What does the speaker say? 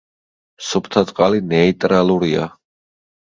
სუფთა წყალი ნეიტრალურია.